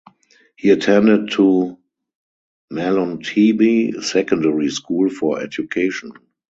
He attended to Mahlontebe Secondary School for education.